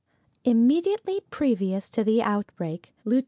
Immediately previous to the outbreak Lieut.